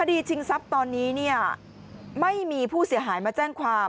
จริงทรัพย์ตอนนี้เนี่ยไม่มีผู้เสียหายมาแจ้งความ